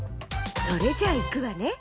それじゃあいくわね。